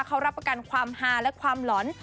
เขารับประกันความฮาและความหลอน